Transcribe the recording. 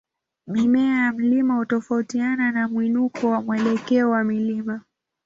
Mimea ya mlima hutofautiana na mwinuko na mwelekeo wa mlima.